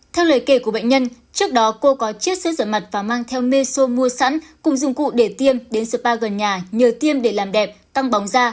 theo lời kể của bệnh nhân trước đó cô có chiếc xe rửa mặt và mang theo meso mua sẵn cùng dụng cụ để tiêm đến spa gần nhà nhờ tiêm để làm đẹp tăng bóng da